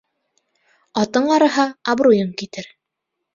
Атың арыһа, абруйың китер.